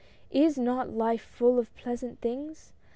Is not life full of pleasant things